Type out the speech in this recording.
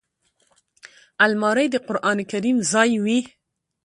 الماري د قران کریم ځای وي